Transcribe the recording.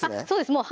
そうです